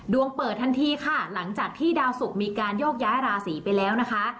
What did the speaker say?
เปิดทันทีค่ะหลังจากที่ดาวสุกมีการโยกย้ายราศีไปแล้วนะคะ